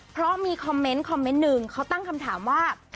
เพราะมีคอมเมนต์คอมเมนต์หนึ่งเขาตั้งคำถามว่า